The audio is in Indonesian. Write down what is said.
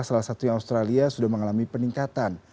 salah satu yang australia sudah mengalami peningkatan